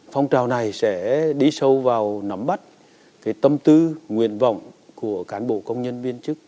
phong trào này sẽ đi sâu vào nắm bắt tâm tư nguyện vọng của cán bộ công nhân viên chức